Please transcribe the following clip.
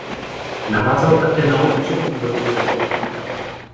Navázal také na otcovu tvorbu pochodů.